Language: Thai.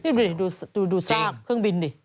นี่ดูซากเครื่องบินดิ